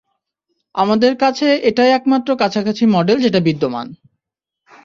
আমাদের কাছে এটাই একমাত্র কাছাকাছি মডেল যেটা বিদ্যমান!